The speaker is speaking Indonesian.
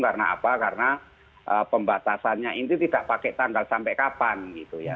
karena apa karena pembatasannya itu tidak pakai tanggal sampai kapan gitu ya